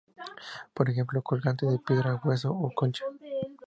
Por ejemplo, colgantes de piedra, hueso o concha.